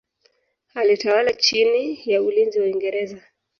Alitawala chini ya ulinzi wa Uingereza.